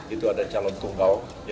itu ada calon tunggal